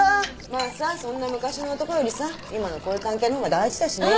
まあさそんな昔の男よりさ今のこういう関係の方が大事だしね。